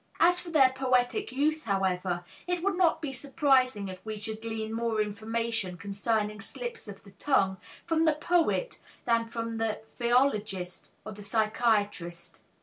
As to their poetic use, however, it would not be surprising if we should glean more information concerning slips of the tongue from the poet than from the philologist or the psychiatrist.